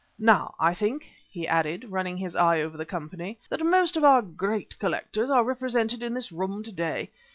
Now, I think," he added, running his eye over the company, "that most of our great collectors are represented in this room to day.